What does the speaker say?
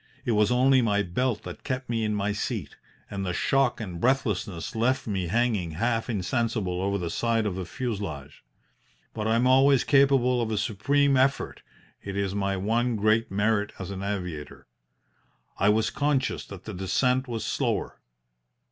It was only my belt that kept me in my seat, and the shock and breathlessness left me hanging half insensible over the side of the fuselage. But I am always capable of a supreme effort it is my one great merit as an aviator. I was conscious that the descent was slower.